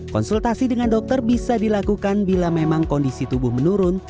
konsultasi dengan dokter bisa dilakukan bila memang kondisi tubuh menurun